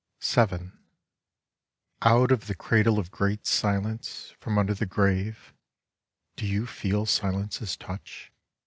vn Out of the cradle of great Silence, from under the grave (do you feel Silence's touch